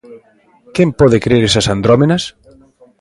_Quen pode crer esas andrómenas?